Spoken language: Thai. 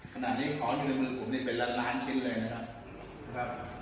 ขนาดที่ของอยู่ในมือผมเป็นละล้านชิ้นเลยนะครับ